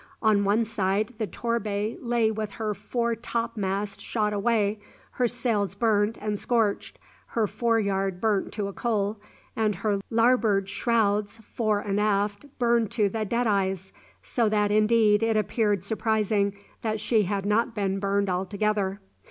On one side the "Torbay" lay with her fore top mast shot away, her sails burnt and scorched, her fore yard burnt to a coal, and her larboard shrouds, fore and aft, burned to the deadeyes, so that indeed it appeared surprising that she had not been burned altogether.